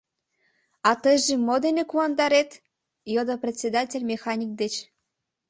А тыйже мо дене куандарет? — йодо председатель механик деч.